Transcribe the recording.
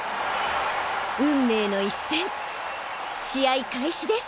運命の一戦試合開始です